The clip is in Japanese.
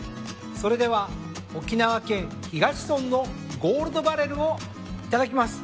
それでは沖縄県東村のゴールドバレルをいただきます。